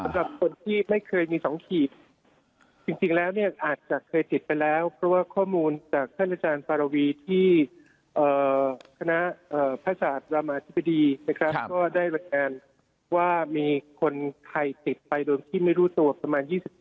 สำหรับคนที่ไม่เคยมี๒ขีดจริงแล้วเนี่ยอาจจะเคยติดไปแล้วเพราะว่าข้อมูลจากท่านอาจารย์ฟารวีที่คณะพระศาสตร์รามาธิบดีนะครับก็ได้รายงานว่ามีคนไทยติดไปโดยที่ไม่รู้ตัวประมาณ๒๐